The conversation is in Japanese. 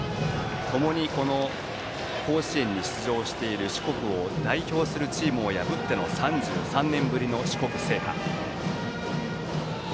ともに甲子園に出場している四国を代表するチームを破っての３３年ぶりの四国制覇。